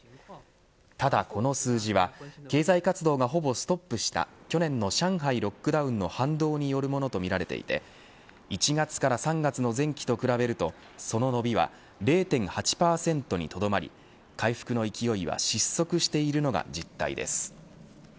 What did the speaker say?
ただ、この数字は経済活動がほぼストップした去年の上海ロックダウンの反動によるものとみられていて１月から３月の前期と比べるとその伸びは０．８％にとどまり回復の勢いは失速しているのが実態です。